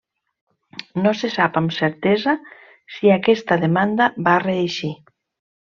No se sap amb certesa si aquesta demanda va reeixir.